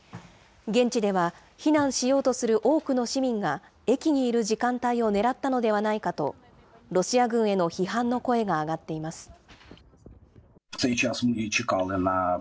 現地では避難しようとする多くの市民が駅にいる時間帯を狙ったのではないかと、ロシア軍への批判の声が上がっています。